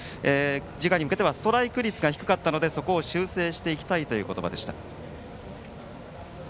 次回に向けてはストライク率が低かったので、そこを修正したいということでした。